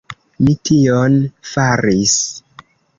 Mi tion faris!